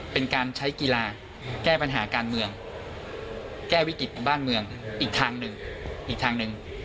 เป็นการใช้กีฬาแก้ปัญหาการเมืองแก้วิกฤตบ้านเมืองอีกทางนึง